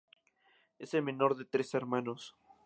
Es el menor de tres hermanos.